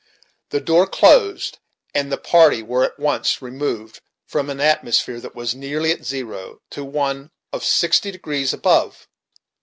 The door closed, and the party were at once removed from an atmosphere that was nearly at zero, to one of sixty degrees above.